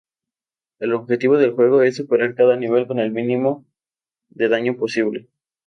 El objetivo del juego es superar cada nivel con el mínimo de daño posible.